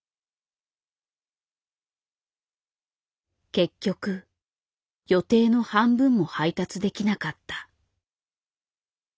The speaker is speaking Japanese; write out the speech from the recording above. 結局予定の半分も配達できなかった。